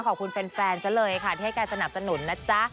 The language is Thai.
ขอบคุณแฟนซะเลยค่ะที่ให้การสนับสนุนนะจ๊ะ